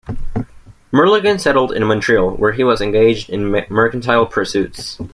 Murlagan settled in Montreal where he was engaged in mercantile pursuits.